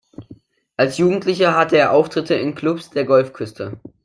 Als Jugendlicher hatte er Auftritte in Clubs der Golfküste.